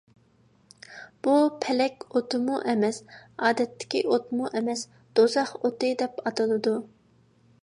بۇ، پەلەك ئوتىمۇ ئەمەس، ئادەتتىكى ئوتمۇ ئەمەس، «دوزاخ ئوتى» دەپ ئاتىلىدۇ.